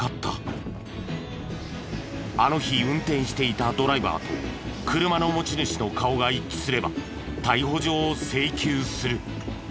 あの日運転していたドライバーと車の持ち主の顔が一致すれば逮捕状を請求する。